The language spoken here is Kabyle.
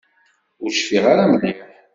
Ur cfiɣ ara mliḥ.